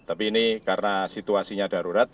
tapi ini karena situasinya darurat